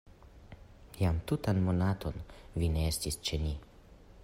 Jam tutan monaton vi ne estis ĉe ni.